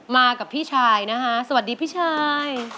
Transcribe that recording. มากับพี่ชายนะคะสวัสดีพี่ชาย